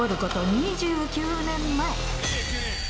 ２９年前。